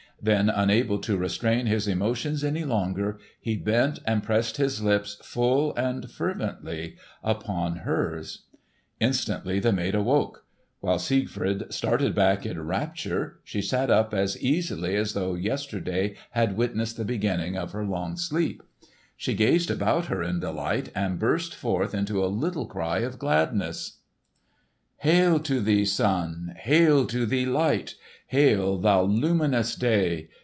Then unable to restrain his emotions any longer he bent and pressed his lips full and fervently upon hers. Instantly the maid awoke. While Siegfried started back in rapture she sat up as easily as though yesterday had witnessed the beginning of her long sleep. She gazed about her in delight, and burst forth into a little cry of gladness: "Hail to thee, Sun, Hail to thee, Light, Hail, thou luminous Day!